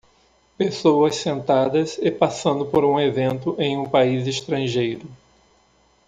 Pessoas sentadas e passando por um evento em um país estrangeiro.